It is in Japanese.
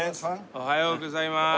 おはようございます。